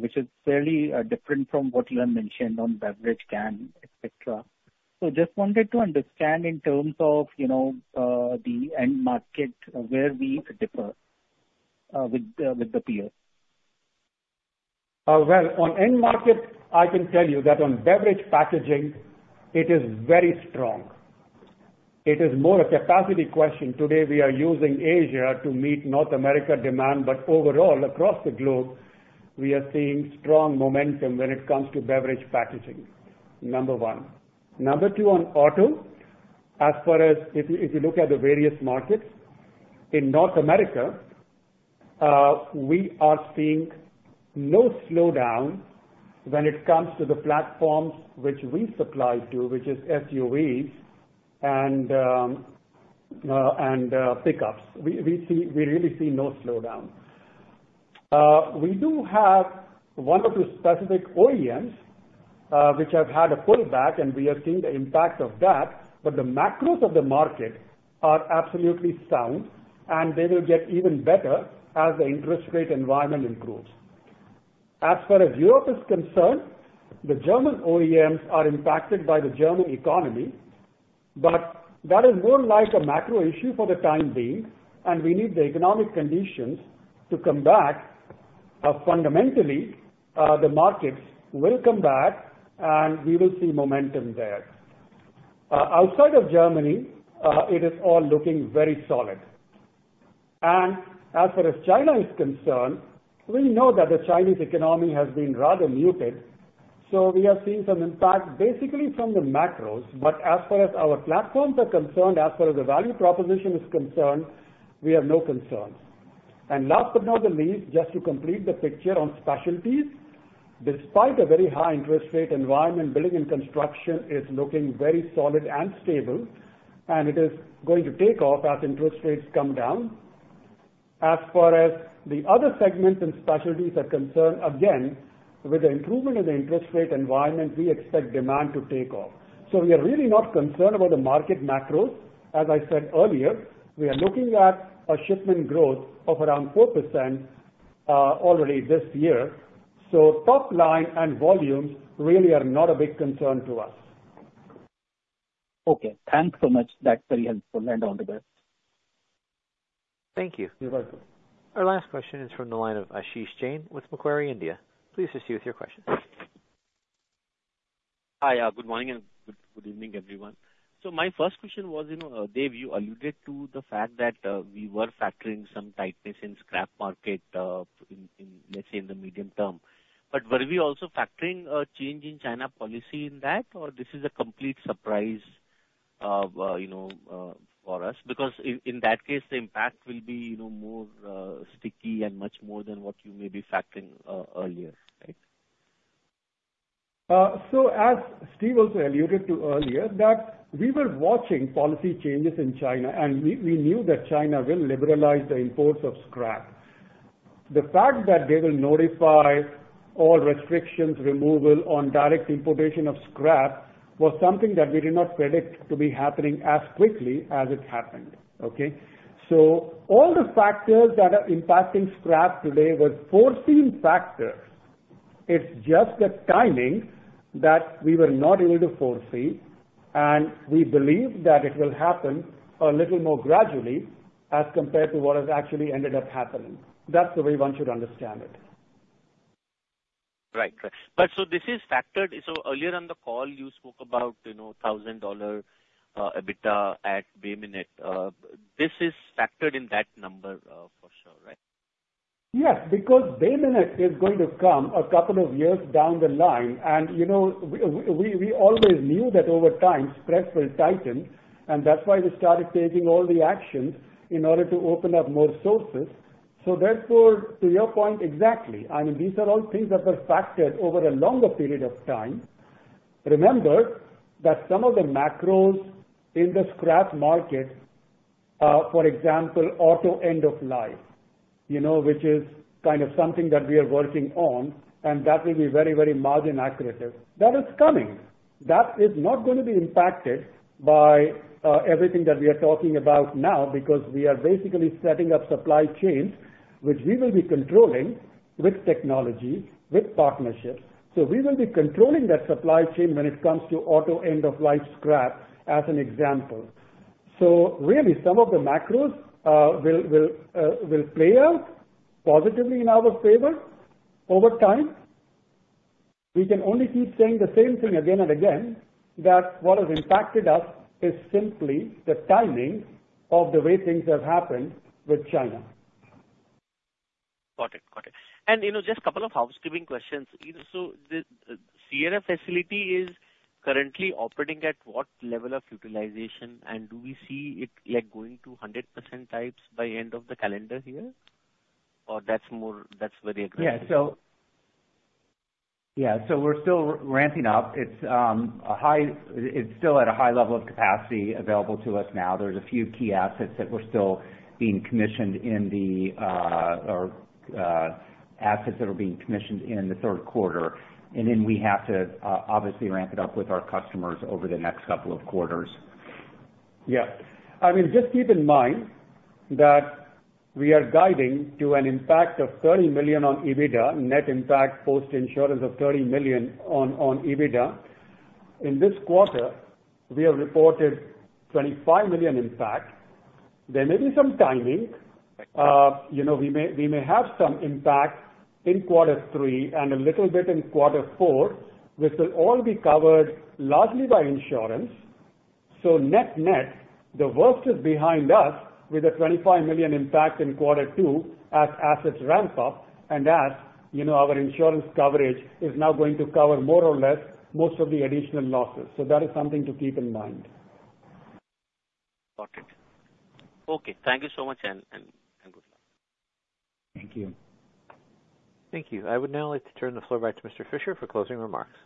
which is fairly, different from what you have mentioned on beverage can, et cetera. Just wanted to understand in terms of, you know, the end market, where we differ, with the, with the peers? Well, on end market, I can tell you that on beverage packaging, it is very strong. It is more a capacity question. Today, we are using Asia to meet North America demand, but overall, across the globe, we are seeing strong momentum when it comes to beverage packaging, number one. Number two, on auto, as far as if you look at the various markets, in North America, we are seeing no slowdown when it comes to the platforms which we supply to, which is SUVs and pickups. We really see no slowdown. We do have one or two specific OEMs which have had a pullback, and we are seeing the impact of that, but the macros of the market are absolutely sound, and they will get even better as the interest rate environment improves. As far as Europe is concerned, the German OEMs are impacted by the German economy, but that is more like a macro issue for the time being, and we need the economic conditions to come back. Fundamentally, the markets will come back, and we will see momentum there. Outside of Germany, it is all looking very solid. As far as China is concerned, we know that the Chinese economy has been rather muted, so we are seeing some impact basically from the macros. As far as our platforms are concerned, as far as the value proposition is concerned, we have no concerns. Last but not the least, just to complete the picture on specialties, despite a very high interest rate environment, building and construction is looking very solid and stable, and it is going to take off as interest rates come down. As far as the other segments and specialties are concerned, again, with the improvement in the interest rate environment, we expect demand to take off. We are really not concerned about the market macros. As I said earlier, we are looking at a shipment growth of around 4% already this year. Top line and volumes really are not a big concern to us. Okay, thanks so much. That's very helpful end on to this. Thank you. You're welcome. Our last question is from the line of Ashish Jain with Macquarie India. Please assist you with your question. Hi, good morning and good evening, everyone. My first question was, you know, Dev, you alluded to the fact that we were factoring some tightness in scrap market in, let's say, in the medium term. Were we also factoring a change in China policy in that, or this is a complete surprise, you know, for us? In that case, the impact will be, you know, more sticky and much more than what you may be factoring earlier, right? As Steve also alluded to earlier, that we were watching policy changes in China, and we knew that China will liberalize the imports of scrap. The fact that they will notify all restrictions, removal on direct importation of scrap, was something that we did not predict to be happening as quickly as it happened, okay. All the factors that are impacting scrap today were foreseen factors. It's just the timing that we were not able to foresee, and we believe that it will happen a little more gradually as compared to what has actually ended up happening. That's the way one should understand it. Right. This is factored. Earlier in the call, you spoke about, you know, $1,000 EBITDA at Bay Minette. This is factored in that number for sure, right? Yes, because Bay Minette is going to come a couple of years down the line. you know, we always knew that over time, spreads will tighten, and that's why we started taking all the actions in order to open up more sources. Therefore, to your point, exactly, I mean, these are all things that were factored over a longer period of time. Remember that some of the macros in the scrap market, for example, auto end of life, you know, which is kind of something that we are working on, and that will be very margin accretive. That is coming. That is not gonna be impacted by everything that we are talking about now, because we are basically setting up supply chains, which we will be controlling with technology, with partnerships. We will be controlling that supply chain when it comes to auto end-of-life scrap, as an example. Really, some of the macros, will play out positively in our favor over time. We can only keep saying the same thing again and again, that what has impacted us is simply the timing of the way things have happened with China. Got it. Got it. You know, just two housekeeping questions. The CRF facility is currently operating at what level of utilization, and do we see it, like, going to 100% types by end of the calendar year, or that's more, that's very aggressive? Yeah. We're still ramping up. It's still at a high level of capacity available to us now. There's a few key assets that were still being commissioned in the or assets that are being commissioned in the third quarter, then we have to obviously ramp it up with our customers over the next couple of quarters. Yeah. I mean, just keep in mind that we are guiding to an impact of $30 million on EBITDA, net impact, post insurance of $30 million on EBITDA. In this quarter, we have reported $25 million impact. There may be some timing. You know, we may have some impact in quarter three and a little bit in quarter four, which will all be covered largely by insurance. Net, net, the worst is behind us with a $25 million impact in quarter two as assets ramp up and as, you know, our insurance coverage is now going to cover more or less most of the additional losses. That is something to keep in mind. Got it. Okay, thank you so much, and good luck. Thank you. Thank you. I would now like to turn the floor back to Mr. Fisher for closing remarks.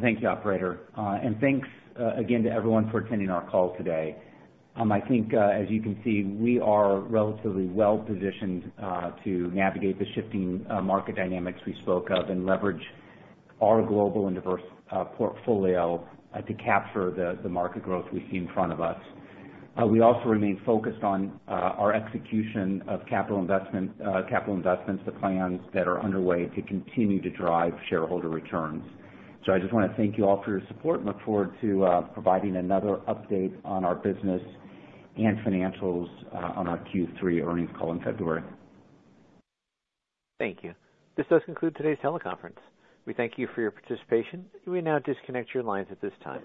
Thank you, operator. Thanks again to everyone for attending our call today. I think as you can see, we are relatively well-positioned to navigate the shifting market dynamics we spoke of and leverage our global and diverse portfolio to capture the market growth we see in front of us. We also remain focused on our execution of capital investment, capital investments, the plans that are underway to continue to drive shareholder returns. I just want to thank you all for your support and look forward to providing another update on our business and financials on our Q3 earnings call in February. Thank you. This does conclude today's teleconference. We thank you for your participation. You may now disconnect your lines at this time.